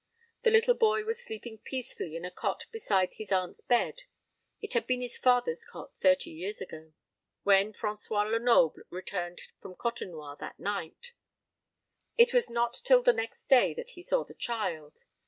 The little boy was sleeping peacefully in a cot beside his aunt's bed (it had been his father's cot thirty years ago) when François Lenoble returned from Côtenoir that night. It was not till the next day that he saw the child.